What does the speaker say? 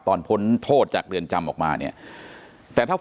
เป็นวันที่๑๕ธนวาคมแต่คุณผู้ชมค่ะกลายเป็นวันที่๑๕ธนวาคม